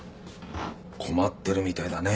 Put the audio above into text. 困ってるみたいだね。